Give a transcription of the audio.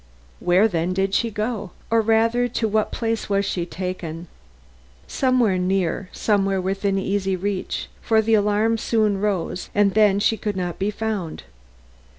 "Where then did she go? Or rather, to what place was she taken? Somewhere near; somewhere within easy reach, for the alarm soon rose and then she could not be found.